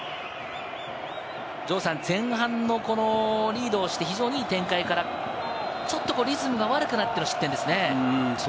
城さん、前半のリードをして、非常にいい展開からちょっとリズムが悪くなっての失点ですね。